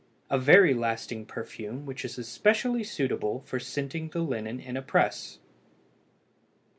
A very lasting perfume which is especially suitable for scenting the linen in a press.